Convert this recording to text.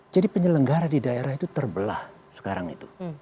jadi penyelenggara di daerah itu terbelah sekarang itu